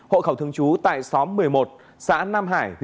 hộ khẩu thường trú tại xóm một mươi một xã nam hải